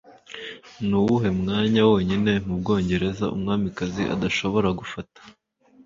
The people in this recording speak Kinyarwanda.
Nuwuhe mwanya wonyine mu Bwongereza Umwamikazi adashobora gufata